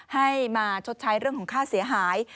ให้มาชดใช้เรื่องของค่าเสียหาย